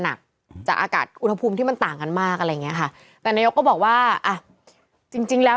หนักจากอากาศอุณหภูมิที่มันต่างกันมากอะไรอย่างเงี้ยค่ะแต่นายกก็บอกว่าอ่ะจริงจริงแล้ว